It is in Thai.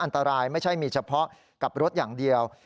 อันตรายไม่ใช่มีเฉพาะกับรถอย่างเดียว